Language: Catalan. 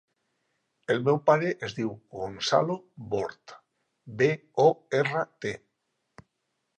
El meu pare es diu Gonzalo Bort: be, o, erra, te.